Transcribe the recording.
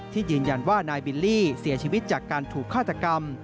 ยืนยันว่านายบิลลี่เสียชีวิตจากการถูกฆาตกรรม